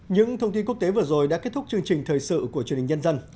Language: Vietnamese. những thông tin quốc tế vừa rồi đã kết thúc chương trình thời sự của truyền hình nhân dân